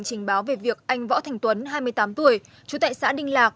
trình báo về việc anh võ thành tuấn hai mươi tám tuổi trú tại xã đinh lạc